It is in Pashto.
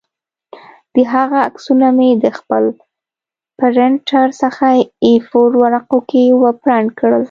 د هغه عکسونه مې د خپل پرنټر څخه اې فور ورقو کې پرنټ کړل